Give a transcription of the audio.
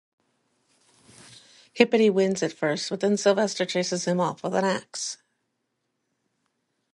Hippety wins at first, but then Sylvester chases him off with an axe.